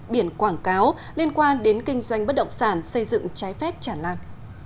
biển quảng cáo liên quan đến kinh doanh bất động sản xây dựng trái phép trả lạc